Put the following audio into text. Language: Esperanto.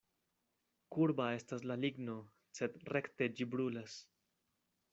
Kurba estas la ligno, sed rekte ĝi brulas.